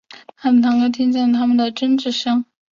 他的堂哥听到他们的争执声